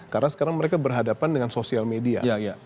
karena sekarang mereka berhadapan dengan sosial media